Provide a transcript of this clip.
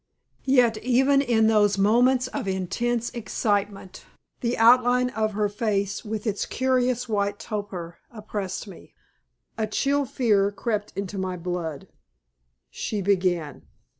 Yet even in those moments of intense excitement the outline of her face, with its curious white torpor, oppressed me. A chill fear crept into my blood. She began.